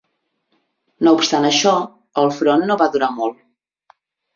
No obstant això, el front no va durar molt.